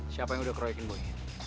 siapa yang udah keroyokin boy